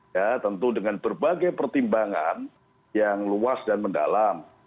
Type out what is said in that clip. ya tentu dengan berbagai pertimbangan yang luas dan mendalam